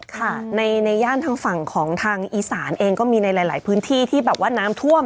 ค่ะในย่านทางฝั่งของทางอีสานเองก็มีในหลายพื้นที่ที่แบบว่าน้ำท่วม